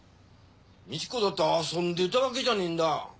みち子だって遊んでたわけじゃねえんだ。